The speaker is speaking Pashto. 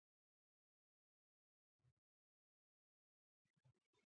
خوب د ذهن خوښونه زېږوي